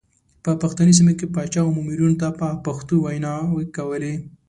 په پښتني سیمو کې پاچا او مامورینو ته په پښتو ویناوې کولې.